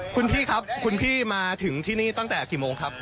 คุณพี่ครับคุณพี่มาถึงที่นี่ตั้งแต่กี่โมงครับ